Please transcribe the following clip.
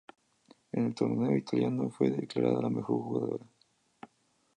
En el torneo italiano fue declarada la mejor jugadora.